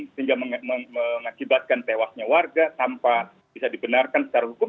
sehingga mengakibatkan tewasnya warga tanpa bisa dibenarkan secara hukum